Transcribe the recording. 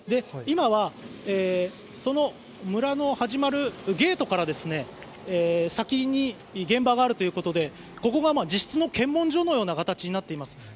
今はその村の始まるゲートから先に現場があるということでここが実質の検問所のような形になっています。